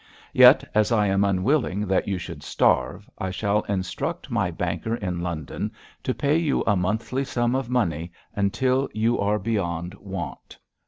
Yet, as I am unwilling that you should starve, I shall instruct my banker in London to pay you a monthly sum of money until you are beyond want.